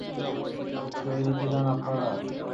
শহীদ হতে চান আপনারা?